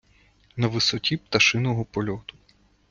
На висоті пташиного польоту